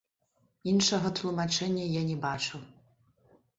Іншага тлумачэння я не бачу.